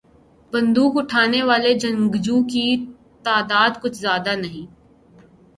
بندوق اٹھانے والے جنگجوؤں کی تعداد کچھ زیادہ نہیں۔